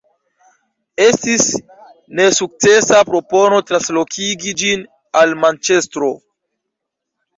Estis nesukcesa propono translokigi ĝin al Manĉestro.